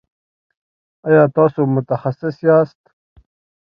ایا تاسو متخصص یاست؟